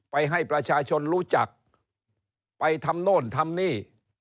ให้ประชาชนรู้จักไปทำโน่นทำนี่